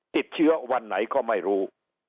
ติดเชื้อวันไหนก็ไม่รู้